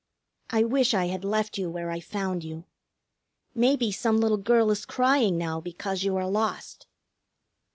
I wish I had left you where I found you. Maybe some little girl is crying now because you are lost."